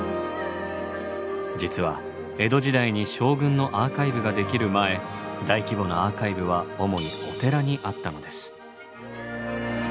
実は江戸時代に将軍のアーカイブができる前大規模なアーカイブは主にお寺にあったのです。